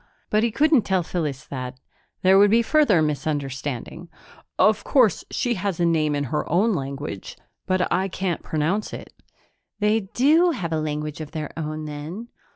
But he couldn't tell Phyllis that; there would be further misunderstanding. "Of course she has a name in her own language, but I can't pronounce it." "They do have a language of their own then?"